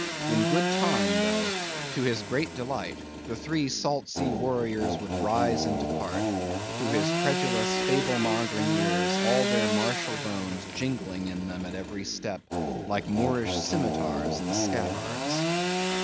In good time, though, to his great delight, the three salt sea warriors would rise and depart; to his credulous, fable mongering ears, all their martial bones jingling in them at every step, like Moorish scimetars in scabbards.